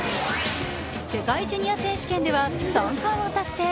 世界ジュニア選手権では３冠を達成